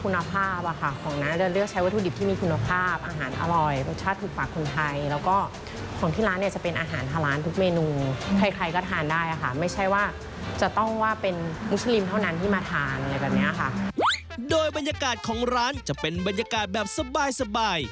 โดยบรรยากาศของร้านจะเป็นบรรยากาศแบบสบาย